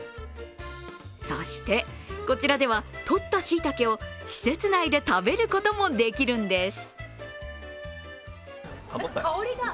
そして、こちらではとったしいたけを施設内で食べることもできるんです。